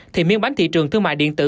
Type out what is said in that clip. thì miên bánh thị trường thương mại điện tử